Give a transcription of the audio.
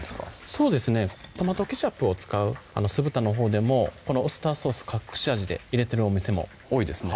そうですねトマトケチャップを使う酢豚のほうでもこのウスターソース隠し味で入れてるお店も多いですね